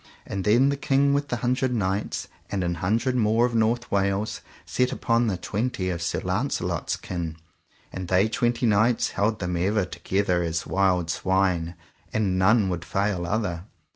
And then the King with the Hundred Knights and an hundred more of North Wales set upon the twenty of Sir Launcelot's kin: and they twenty knights held them ever together as wild swine, and none would fail other.